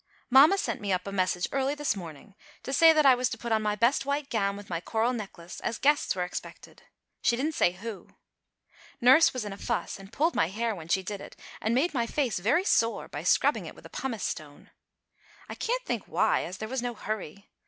Mamma sent me up a message early this morning to say that I was to put on my best white gown with my coral necklace, as guests were expected. She didn't say who. Nurse was in a fuss and pulled my hair when she did it, and made my face very sore by scrubbing it with pumice stone. I can't think why, as there was no hurry.